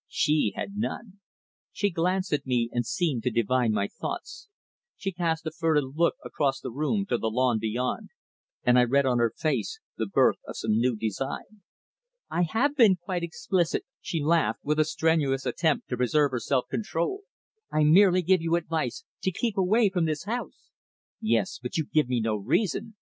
She had none. She glanced at me and seemed to divine my thoughts. She cast a furtive look across the room to the lawn beyond, and I read on her face the birth of some new design. "I have been quite explicit," she laughed, with a strenuous attempt to preserve her self control. "I merely give you advice to keep away from this house." "Yes, but you give me no reason.